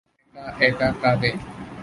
একা একা কাঁদে।